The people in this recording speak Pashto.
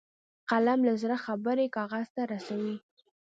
قلم له زړه خبرې کاغذ ته رسوي